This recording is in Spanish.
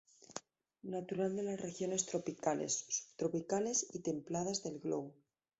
Natural de las regiones tropicales, subtropicales y templadas del globo.